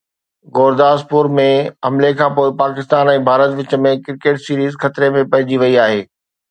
گورداسپور ۾ حملي کانپوءِ پاڪستان ۽ ڀارت وچ ۾ ڪرڪيٽ سيريز خطري ۾ پئجي وئي آهي